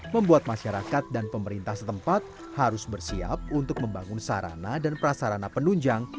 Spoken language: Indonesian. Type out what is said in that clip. membuat masyarakat dan pemerintah setempat harus bersiap untuk membangun sarana dan prasarana penunjang